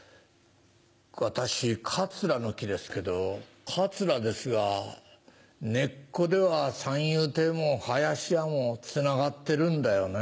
私カツラの木ですけどカツラですが根っこでは三遊亭も林家もつながってるんだよね。